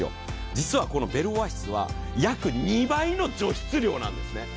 実はこのベルオアシスは約２倍の除湿量なんですね。